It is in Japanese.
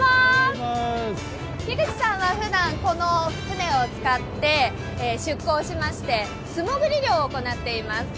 木口さんはふだん、この船を使って出航しまして素もぐり漁を行っています。